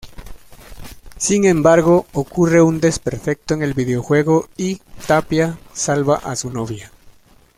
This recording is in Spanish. Sin embargo, ocurre un desperfecto en el videojuego y Tapia salva a su novia.